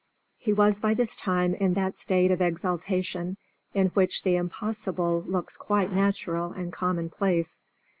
He was by this time in that state of exaltation in which the impossible looks quite natural and commonplace.